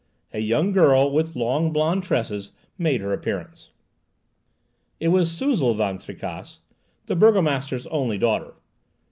A young girl, with long blonde tresses, made her appearance. It was Suzel Van Tricasse, the burgomaster's only daughter.